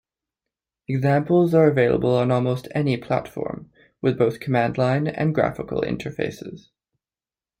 Examples are available on almost any platform, with both command-line and graphical interfaces.